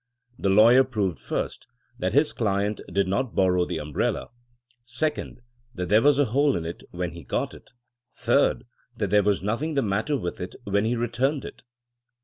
The lawyer proved first, that his client did not borrow the umbrella ; sec ond, that there was a hole in it when he got it ; third, that there was nothing the matter with it when he returned it.